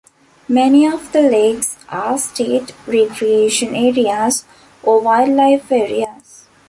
Many of the lakes are state recreation areas or wildlife areas.